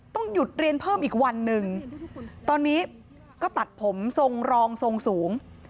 หยุดเรียนเพิ่มอีกวันหนึ่งตอนนี้ก็ตัดผมทรงรองทรงสูง